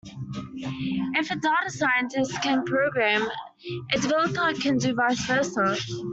If a data scientist can program, a developer can do vice versa.